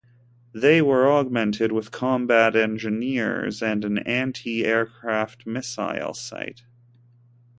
They were augmented with combat engineers and an anti-aircraft missile site.